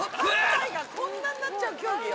８歳がこんなになっちゃう競技よ。